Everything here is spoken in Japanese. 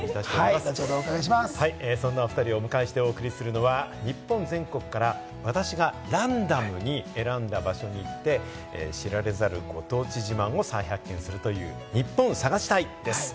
そんなお２人をお迎えして送りするのは、日本全国から私がランダムに選んだ場所へ行って、知られざるご当地自慢を再発見するという「ニッポン探し隊！」です。